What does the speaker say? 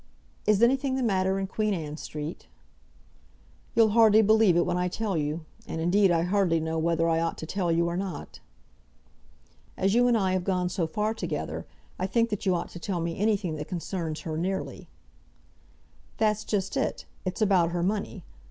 "Is anything the matter in Queen Anne Street?" "You'll hardly believe it when I tell you; and, indeed, I hardly know whether I ought to tell you or not." "As you and I have gone so far together, I think that you ought to tell me anything that concerns her nearly." "That's just it. It's about her money.